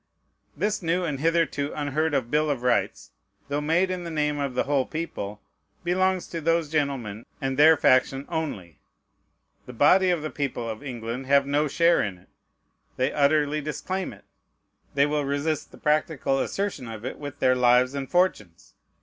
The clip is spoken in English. This new, and hitherto unheard of bill of rights, though made in the name of the whole people, belongs to those gentlemen and their faction only. The body of the people of England have no share in it. They utterly disclaim it. They will resist the practical assertion of it with their lives and fortunes.